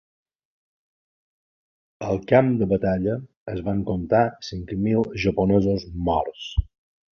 Al camp de batalla es van comptar cinc mil japonesos morts.